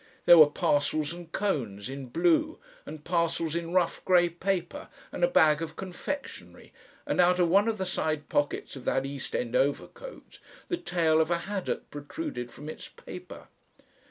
There were parcels and cones in blue and parcels in rough grey paper and a bag of confectionery, and out of one of the side pockets of that East end overcoat the tail of a haddock protruded from its paper.